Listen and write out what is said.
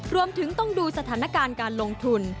รวมถึงต้องดูสถานการณ์การลงทุน